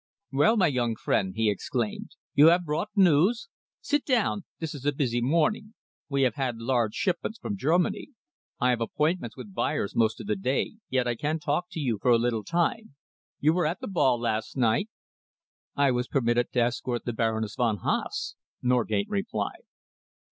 "Well, my young friend," he exclaimed, "you have brought news? Sit down. This is a busy morning. We have had large shipments from Germany. I have appointments with buyers most of the day, yet I can talk to you for a little time. You were at the ball last night?" "I was permitted to escort the Baroness von Haase," Norgate replied.